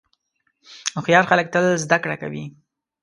هوښیار خلک تل زده کوي.